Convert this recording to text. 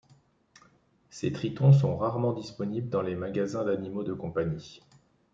Ces tritons sont rarement disponibles dans les magasins d'animaux de compagnie.